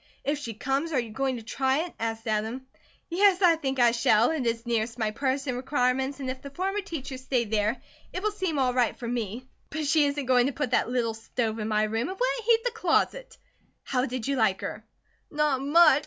"If she comes, are you going to try it?" asked Adam. "Yes, I think I shall. It is nearest my purse and requirements and if the former teacher stayed there, it will seem all right for me; but she isn't going to put that little stove in my room. It wouldn't heat the closet. How did you like her?" "Not much!"